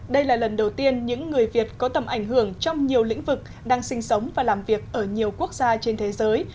đây là lần đầu tiên những người việt có tầm ảnh hưởng trong nhiều lĩnh vực đang sinh sống và làm việc ở nhiều quốc gia trên thế giới